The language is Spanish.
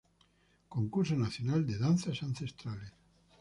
Concurso Nacional de Danzas ancestrales.